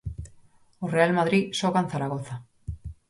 O Real Madrid xoga en Zaragoza.